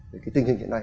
về cái tình hình hiện nay